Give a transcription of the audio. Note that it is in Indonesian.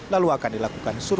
lalu akan dilakukan suatu